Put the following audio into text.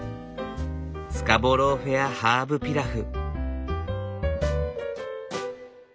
スカボロー・フェアハーブピラフ。